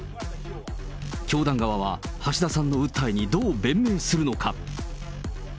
教団側は橋田さんの訴えにどう弁明するのか。